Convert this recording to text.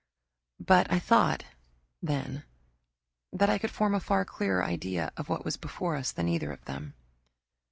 But I thought then that I could form a far clearer idea of what was before us than either of them.